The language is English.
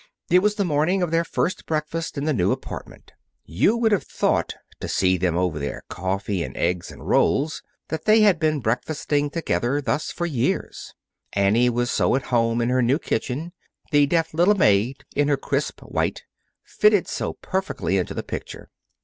It was the morning of their first breakfast in the new apartment. You would have thought, to see them over their coffee and eggs and rolls, that they had been breakfasting together thus for years Annie was so at home in her new kitchen; the deft little maid, in her crisp white, fitted so perfectly into the picture.